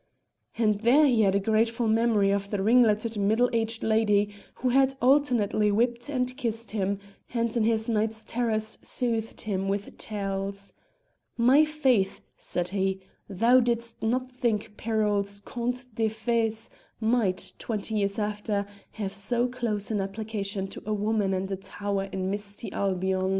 And there he had a grateful memory of the ringleted middle aged lady who had alternately whipped and kissed him, and in his night's terrors soothed him with tales. "My faith!" said he, "thou didst not think thy Perrault's 'Contes des Fées' might, twenty years after, have so close an application to a woman and a tower in misty Albion."